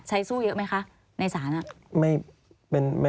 ใช้สู้เยอะไหมคะในสารนั้น